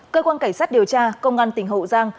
cơ quan cảnh sát điều tra công an tỉnh hậu giang